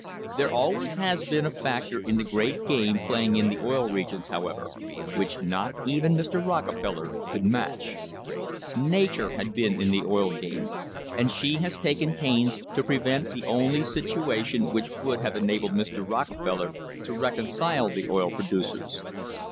There always has been a factor in the great game playing in the Oil Regions, how ever, which not even Mr. Rockefeller could match. Nature has been in the oil game, and she has taken pains to prevent the only situation which would have enabled Mr. Rocke feller to reconcile the oil producers.